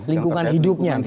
lingkungan hidupnya gitu ya